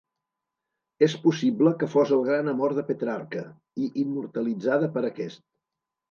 És possible que fos el gran amor de Petrarca, i immortalitzada per aquest.